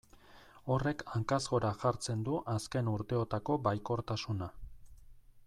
Horrek hankaz gora jartzen du azken urteotako baikortasuna.